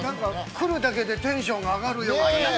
◆来るだけでテンションが上がるような。